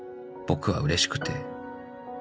［僕はうれしくて］